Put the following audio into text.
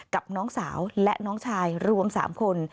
กับน้องสาวและน้องชายรวม๓คน